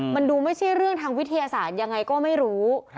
มันดูไม่ใช่เรื่องทางวิทยาศาสตร์ยังไงก็ไม่รู้